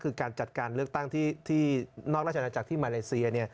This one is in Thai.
คือการจัดการเลือกตั้งที่นอกราชนาจักรที่มาเลเซีย